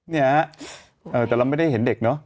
เนี่ยฮะแต่เราไม่ได้เห็นเด็กเนอะ